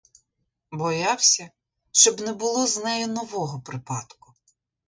Боявся, щоб не було з нею нового припадку.